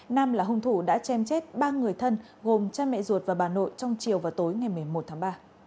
nam là hung thủ đã chem chết ba người thân gồm cha mẹ ruột và bà nội trong chiều và tối ngày một mươi một tháng ba